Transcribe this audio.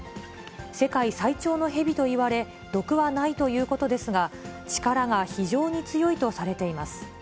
世界最長のヘビと言われ、毒はないということですが、力が非常に強いとされています。